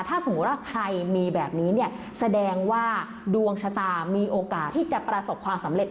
ถ้าสมมุติว่าใครมีแบบนี้เนี่ยแสดงว่าดวงชะตามีโอกาสที่จะประสบความสำเร็จ